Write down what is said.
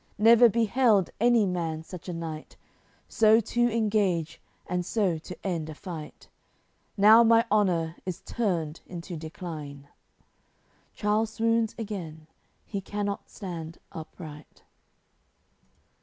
Never beheld any man such a knight So to engage and so to end a fight. Now my honour is turned into decline!" Charle swoons again, he cannot stand upright.